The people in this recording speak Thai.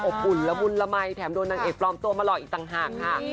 อุ่นละมุนละมัยแถมโดนนางเอกปลอมตัวมาหล่ออีกต่างหากค่ะ